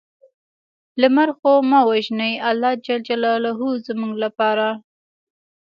لمر خو مه وژنې الله ج زموږ لپاره